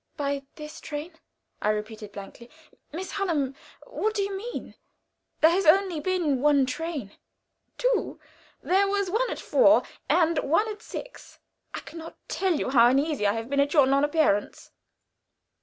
"By this train!" I repeated, blankly. "Miss Hallam what do you mean? There has been no other train." "Two; there was one at four and one at six. I can not tell you how uneasy I have been at your non appearance."